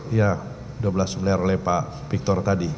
iya dua belas miliar oleh pak victor tadi